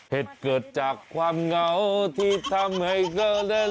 เห็ดเกิดจากความเหงาที่ทำให้ก็ได้